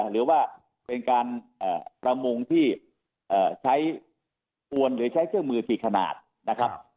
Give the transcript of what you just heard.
หรือว่าเป็นการประมงที่ใช้กวนหรือใช้เครื่องมือกี่ขนาดนะครับ